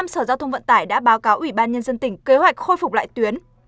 năm sở giao thông vận tải đã báo cáo ủy ban nhân dân tỉnh kế hoạch khôi phục lại tuyến